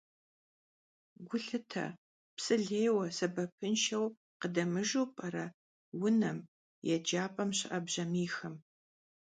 Gu lhıte, psı lêyue, sebepınşşeu khıdemıjju p'ere vunem, yêcap'em şı'e bjamiyxem.